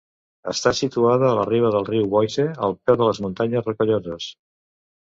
Està situada a la riba del riu Boise, al peu de les Muntanyes Rocalloses.